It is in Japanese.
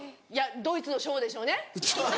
ドイツの賞でしょうね。